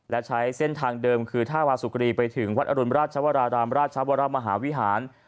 และใช้เส้นทางเดิมคือท่าวาสุกรีไปถึงวัดอรุณราชวรารามราชวรมหาวิหาร